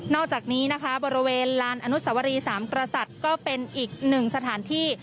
อกจากนี้นะคะบริเวณลานอนุสวรีสามกษัตริย์ก็เป็นอีกหนึ่งสถานที่